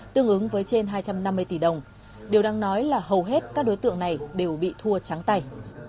tương ứng với trên hai trăm năm mươi tỷ đồng điều đang nói là hầu hết các đối tượng này đều bị thua trắng tay